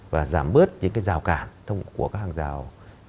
và giảm bớt những cái rào cản của các hàng rào